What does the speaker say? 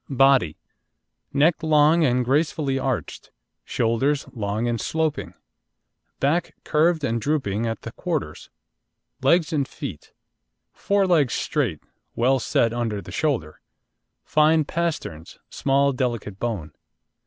BODY Neck long and gracefully arched. Shoulders long and sloping. Back curved and drooping at the quarters. LEGS AND FEET Fore legs straight, well set under the shoulder; fine pasterns; small delicate bone.